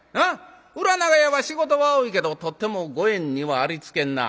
裏長屋は仕事が多いけどとっても五円にはありつけんなぁ。